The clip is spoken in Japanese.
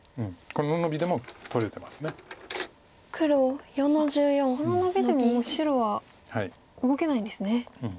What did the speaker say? このノビでももう白は動けないんですね。